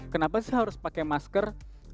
kenapa sih harus pakai masker